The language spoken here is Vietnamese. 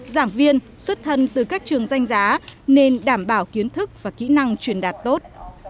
giảng viên xuất thân từ các trường danh giá nên đảm bảo kiến thức và kỹ năng truyền đạt tốt